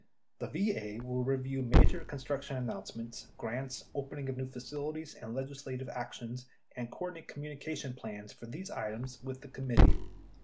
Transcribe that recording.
The VA will review major construction announcements, grants, opening of new facilities, and legislative actions and coordinate communication plans for these items with the Committee.